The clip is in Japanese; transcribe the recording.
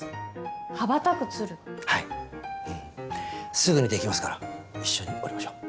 すぐにできますから一緒に折りましょう。